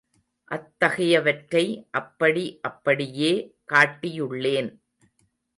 அத்தகையவற்றை அப்படி அப்படியே காட்டியுள்ளேன்.